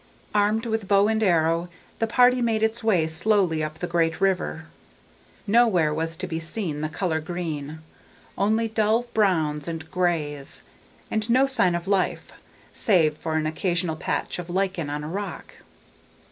Armed with bow and arrow, the party made its way slowly up the great river. Nowhere was to be seen the color green, only dull browns and greys. And no sign of life, save for an occasional patch of lichen on a rock.